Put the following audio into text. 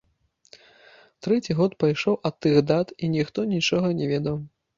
Трэці год пайшоў ад тых дат, і ніхто нічога не ведаў.